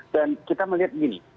dan kita melihat gini